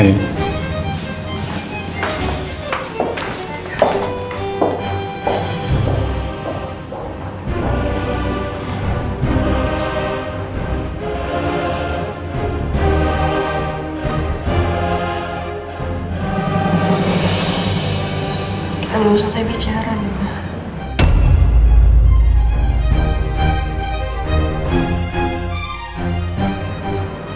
kita gak usah saya bicara